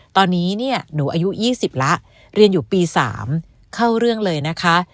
ตอนนี้เนี่ยหนูอายุ๒๐แล้วเรียนอยู่ปี๓เข้าเรื่องเลยนะคะ